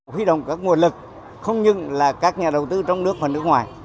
huy động các nguồn lực không những là các nhà đầu tư trong nước và nước ngoài